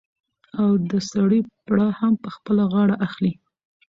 او د سړي پړه هم په خپله غاړه اخلي.